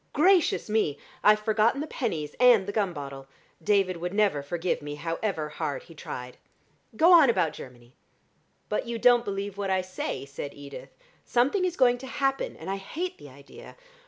Gracious me! I've forgotten the pennies and the gum bottle. David would never forgive me, however hard he tried. Go on about Germany." "But you don't believe what I say," said Edith. "Something is going to happen, and I hate the idea.